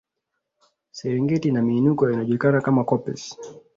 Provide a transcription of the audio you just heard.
Serengeti ina miinuko ya inayojulikana kama koppes